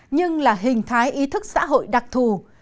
nhưng là hình thái ý thức xã hội đặc thù